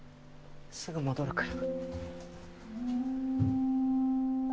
すぐ戻るから。